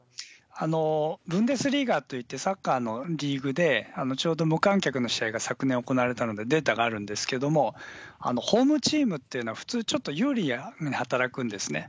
ブンデスリーガといって、サッカーのリーグで、ちょうど無観客の試合が昨年行われたので、データがあるんですけれども、ホームチームっていうのは、普通、ちょっと有利に働くんですね。